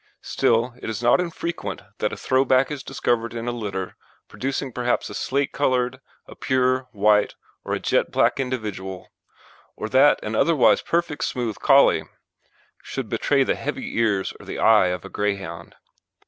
Still, it is not infrequent that a throw back is discovered in a litter producing perhaps a slate coloured, a pure, white, or a jet black individual, or that an otherwise perfect smooth Collie should betray the heavy ears or the eye of a Greyhound.